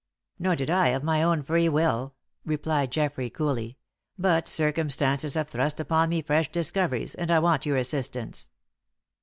"Nor did I of my own free will," replied Geoffrey, coolly; "but circumstances have thrust upon me fresh discoveries, and I want your assistance."